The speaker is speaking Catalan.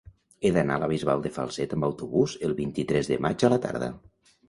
He d'anar a la Bisbal de Falset amb autobús el vint-i-tres de maig a la tarda.